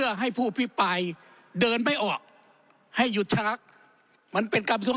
ครับครับครับครับครับครับครับครับครับครับครับครับครับครับครับ